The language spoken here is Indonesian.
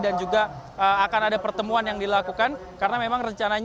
dan juga akan ada pertemuan yang dilakukan